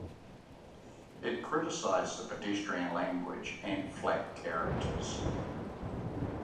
It criticized the "pedestrian language" and flat characters.